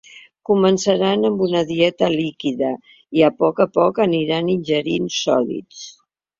Començaran amb una dieta líquida i a poc a poc aniran ingerint sòlids.